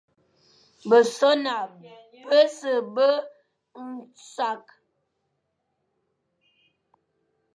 Besoña bese be nsakh,